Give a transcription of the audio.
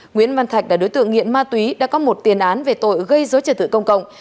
nguyễn văn thạch là đối tượng nghiện ma túy đã có một tiền án về tội gây dối trật tự công cộng